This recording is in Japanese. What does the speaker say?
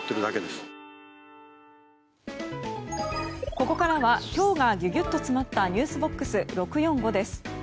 ここからは今日がギュギュッと詰まったｎｅｗｓＢＯＸ６４５です。